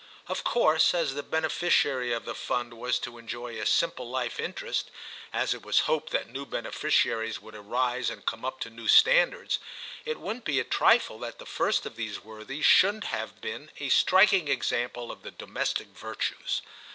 Of course, as the beneficiary of the Fund was to enjoy a simple life interest, as it was hoped that new beneficiaries would arise and come up to new standards, it wouldn't be a trifle that the first of these worthies shouldn't have been a striking example of the domestic virtues.